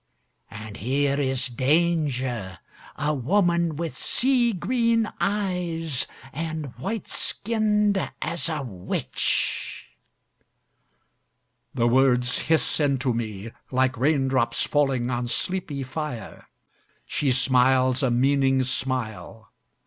And here is danger a woman with sea green eyes, And white skinned as a witch ...' The words hiss into me, like raindrops falling On sleepy fire ... She smiles a meaning smile.